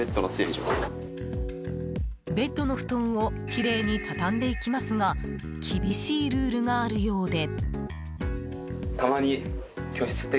ベッドの布団をきれいに畳んでいきますが厳しいルールがあるようで。